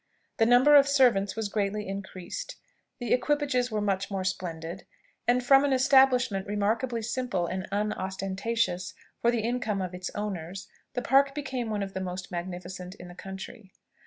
The number of servants was greatly increased, the equipages were much more splendid, and from an establishment remarkably simple and unostentatious for the income of its owners, the Park became one of the most magnificent in the country.